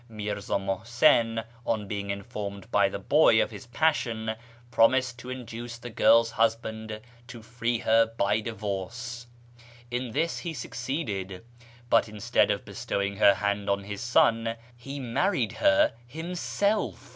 Mi'rza IMuhsin, on being informed by the boy of his passion, promised to induce the girl's husband to free her by divorce. In this he succeeded, but, instead of bestowing her hand on his son, he married her himself.